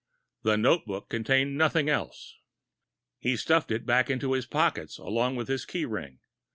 The notebook contained nothing else. He stuffed it back into his pockets, along with his keyring.